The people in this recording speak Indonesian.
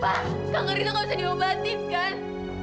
pak kanker itu gak bisa diobatin kan